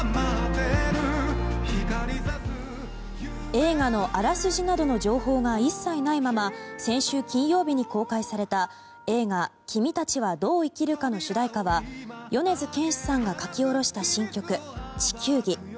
映画のあらすじなどの情報が一切ないまま先週金曜日に公開された映画「君たちはどう生きるか」の主題歌は米津玄師さんが書き下ろした新曲「地球儀」。